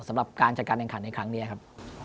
สำหรับการจัดการแข่งขันในครั้งนี้ครับ